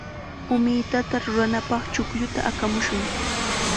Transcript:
Umitata ruranapaq chuqlluta aqamushun.